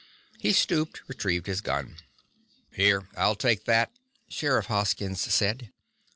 He stooped, retrieved his gun. "Here, I'll take that," Sheriff Hoskins said.